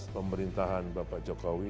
pemerintahan bapak jokowi